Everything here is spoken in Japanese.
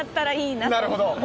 なるほど。